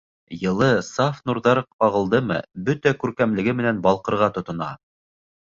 Йылы, саф нурҙар ҡағылдымы, бөтә күркәмлеге менән балҡырға тотона.